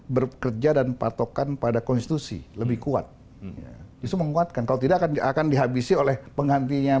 menguatkan pada konstitusi lebih kuat itu menguatkan kau tidak akan dihabisi oleh pengantin yang